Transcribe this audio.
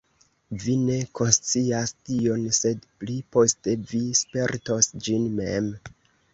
Vi ne konscias tion, sed pli poste vi spertos ĝin mem.